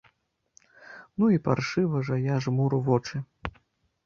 Ну і паршыва жа я жмуру вочы!